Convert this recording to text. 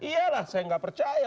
iya lah saya nggak percaya